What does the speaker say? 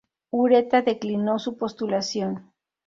Ureta declinó su postulación.